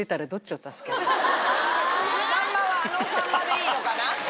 さんまはあのさんまでいいのかな？